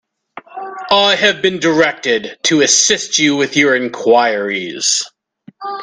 I have been directed to assist you with your enquiries.